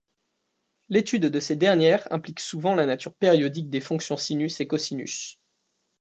L'étude de ces dernières implique souvent la nature périodique des fonctions sinus et cosinus.